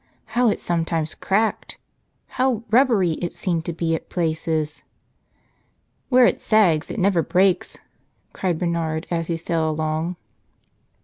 How it sometimes cracked! How "rubbery" it seemed to be at places! "Where it sags it never breaks," cried Bernard as he sailed along.